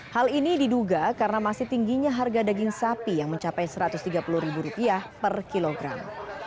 hal ini diduga karena masih tingginya harga daging sapi yang mencapai rp satu ratus tiga puluh per kilogram